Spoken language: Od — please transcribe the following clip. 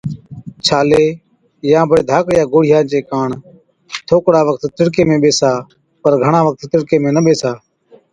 ڇالي يان بڙي ڌاڪڙِيا گوڙهِيا چي ڪاڻ ٿوڪڙا وقت تِڙڪي ۾ ٻيسا، پر گھڻا وقت تِڙڪي ۾ نہ ٻيسا۔